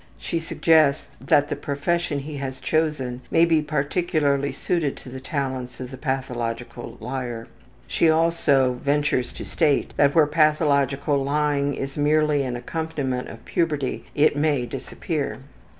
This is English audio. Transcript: She suggests that the profession he has chosen may be particularly suited to the talents of the pathological liar. She also ventures to state that where pathological lying is merely an accompaniment of puberty it may disappear.